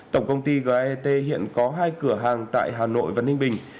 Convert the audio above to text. tổng công ty gett hiện có hai cửa hàng tại hà nội và ninh bình